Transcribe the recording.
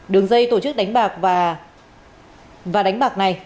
đường dây tổ chức đánh bạc và đánh bạc này